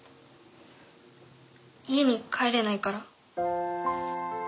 家に帰れないから。